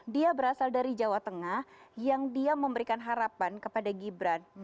dia berasal dari jawa tengah yang dia memberikan harapan kepada gibran